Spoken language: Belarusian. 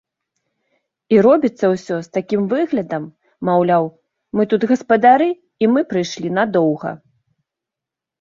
І робіцца ўсё з такім выглядам, маўляў, мы тут гаспадары і мы прыйшлі надоўга.